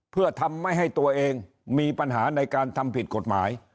เพื่อทำไม่ให้ตัวเองมีปัญหาในการทำผิดกฎหมาย